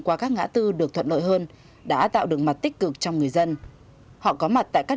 qua các ngã tư được thuận lợi hơn đã tạo được mặt tích cực trong người dân họ có mặt tại các